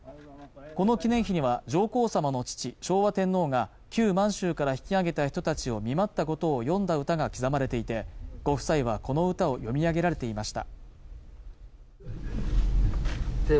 この記念碑には上皇さまの父・昭和天皇が旧満州から引き揚げた人たちを見舞ったことを詠んだ歌が刻まれていてご夫妻はこの歌を詠み上げられていました